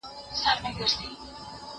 زه پرون ونې ته اوبه ورکوم؟